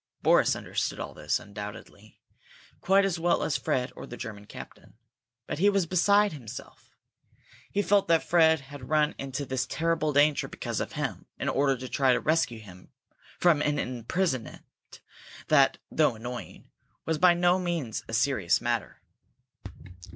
Boris understood all this, undoubtedly, quite as well as Fred or the German captain, but he was beside himself. He felt that Fred had run into this terrible danger because of him, in order to try to rescue him from an imprisonment that, though annoying, was by no means a serious matter.